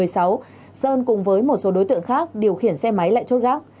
sau đó sơn cùng với một số đối tượng khác điều khiển xe máy lại chốt gác